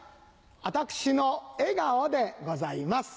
私の笑顔でございます。